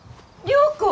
良子。